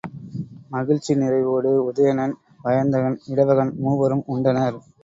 மகிழ்ச்சி நிறைவோடு உதயணன், வயந்தகன், இடவகன் மூவரும் உண்டனர்.